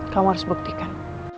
kamu harus buktikan